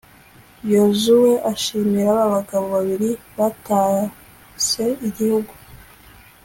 yozuwe ashimira ba bagabo babiri batase igihugu